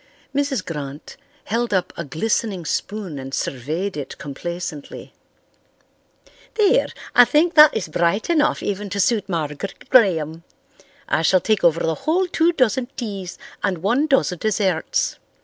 Mrs. Grant held up a glistening spoon and surveyed it complacently. "There, I think that is bright enough even to suit Margaret Graham. I shall take over the whole two dozen teas and one dozen desserts.